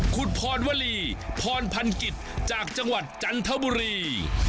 คุณพรวลีพรพันกิจจากจังหวัดจันทบุรี